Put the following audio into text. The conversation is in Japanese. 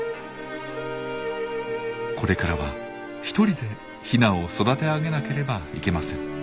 これからはひとりでヒナを育て上げなければいけません。